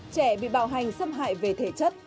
trẻ bị bạo hành xâm hại về thể chất